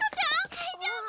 ⁉大丈夫⁉